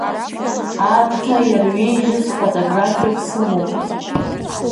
Аамҭа иарҩеижьыз фотографиак сымоуп.